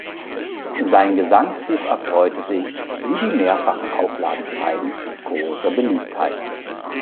Sein Gesangbuch erfreute sich, wie die mehrfachen Auflagen zeigen, großer Beliebtheit.